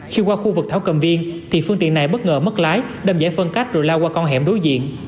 khi qua khu vực thảo cầm viên thì phương tiện này bất ngờ mất lái đâm giải phân cách rồi lao qua con hẻm đối diện